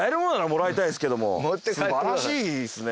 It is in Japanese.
素晴らしいですね。